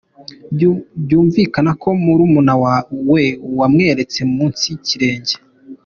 Byumvikana ko murumuna we yamweretse munsi y’ikirenge.